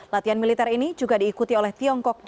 latihan militer ini juga diikuti oleh tiongkok dan mongolia